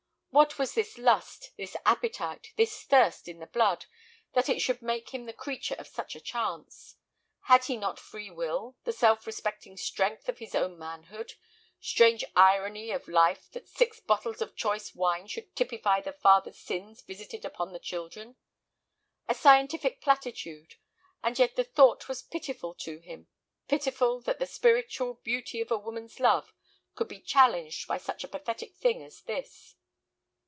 What was this lust, this appetite, this thirst in the blood, that it should make him the creature of such a chance? Had he not free will, the self respecting strength of his own manhood? Strange irony of life that six bottles of choice wine should typify the father's sins visited upon the children! A scientific platitude! And yet the thought was pitiful to him, pitiful that the spiritual beauty of a woman's love could be challenged by such a pathetic thing as this.